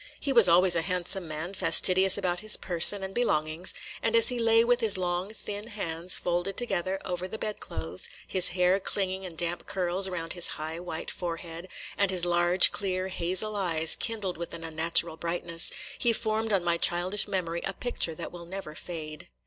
He was always a handsome man, fastidious about his person and belongings; and as he lay with his long thin hands folded together over the bed clothes, his hair clinging in damp curls round his high white forehead, and his large, clear hazel eyes kindled with an unnatural brightness, he formed on my childish memory a picture that will never fade.